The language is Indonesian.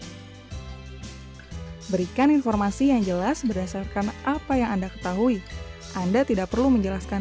berikan informasi yang jelas berdasarkan apa yang anda ketahui anda tidak perlu menjelaskan